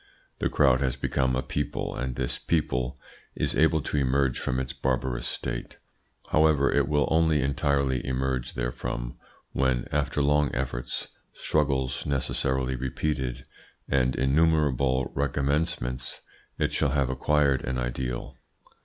The crowd has become a people, and this people is able to emerge from its barbarous state. However, it will only entirely emerge therefrom when, after long efforts, struggles necessarily repeated, and innumerable recommencements, it shall have acquired an ideal.